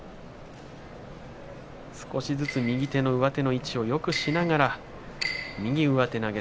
少しずつ右手で上手の位置をよくしながら右上手投げ。